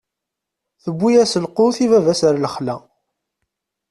Tewwi-yas lqut i baba-s ɣer lexla.